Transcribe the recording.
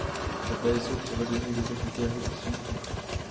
Poté jsou převedeny do tekutého dusíku.